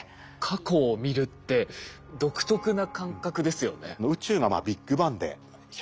過去を見るって独特な感覚ですよね。